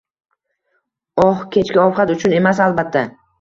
Oh, kechki ovqat uchun emas, albatta